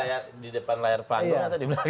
ini di depan layar panggung